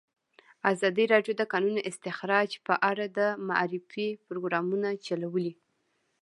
ازادي راډیو د د کانونو استخراج په اړه د معارفې پروګرامونه چلولي.